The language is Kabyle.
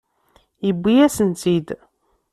Yewwi-yasen-tt-id.